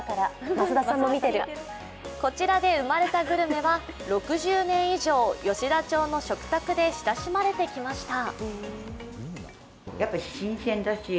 こちらで生まれたグルメは６０年以上、吉田町の食卓で親しまれてきました。